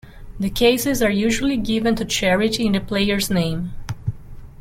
The cases are usually given to charity in the player's name.